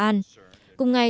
cùng ngày trong cuộc điện thoại